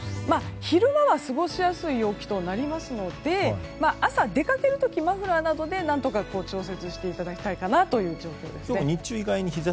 昼間も過ごしやすい陽気となりますので朝、出かけるときにマフラーなどで何とか調節していただきたいかなという状況ですね。